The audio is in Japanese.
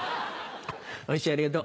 おいしいありがと。